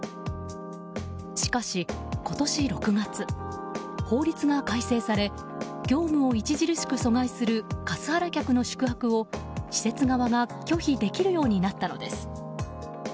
しかし今年６月、法律が改正され業務を著しく阻害するカスハラ客の宿泊を、施設側が拒否できるようになったのです。